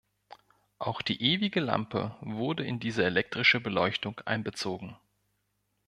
Auch die Ewige Lampe wurde in diese elektrische Beleuchtung einbezogen.